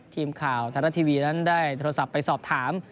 ทีมข่าวไทยรัฐทีวีนั้นได้โทรศัพท์ไปสอบถาม